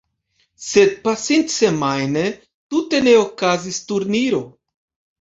Sed pasintsemajne tute ne okazis turniro.